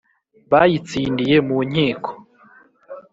bayitsindiye mu nkiko